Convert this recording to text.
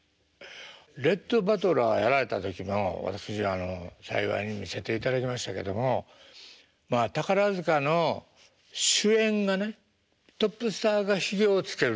レット・バトラーやられた時のを私幸いに見せていただきましたけどもまあ宝塚の主演がねトップスターがヒゲをつけるっていうのは。